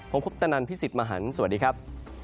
ผมคุปตนันพี่สิทธิ์มหันฯสวัสดีครับ